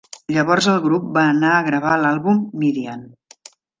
Llavors el grup va anar a gravar l'àlbum "Midian".